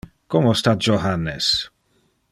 Como sta Johannes?